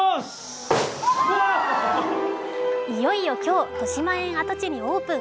いよいよ今日、としまえん跡地にオープン。